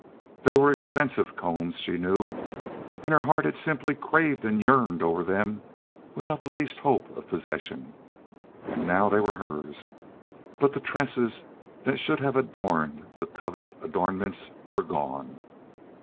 They were expensive combs, she knew, and her heart had simply craved and yearned over them without the least hope of possession. And now, they were hers, but the tresses that should have adorned the coveted adornments were gone.